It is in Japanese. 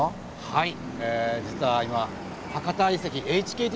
はい。